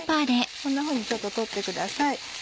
こんなふうにちょっと取ってください。